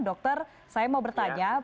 dokter saya mau bertanya